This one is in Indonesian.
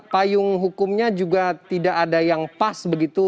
payung hukumnya juga tidak ada yang pas begitu